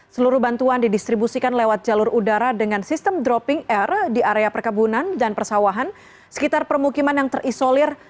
seluruh bantuan didistribusikan lewat jalur udara dengan sistem dropping air di area perkebunan dan persawahan sekitar permukiman yang terisolir